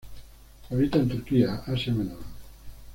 Habita en Turquía, Asia Menor.